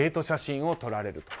写真を撮られる。